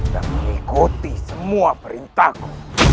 dan mengikuti semua perintahku